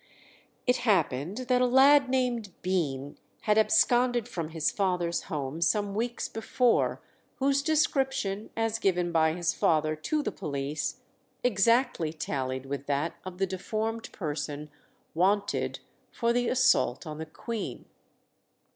It happened that a lad named Bean had absconded from his father's home some weeks before, whose description, as given by his father to the police, exactly tallied with that of the deformed person "wanted" for the assault on the Queen.